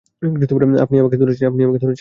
আপনিই আমাকে ধরেছেন।